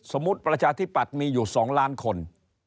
สมมุติประชาธิบัติมีอยู่๒ล้านคน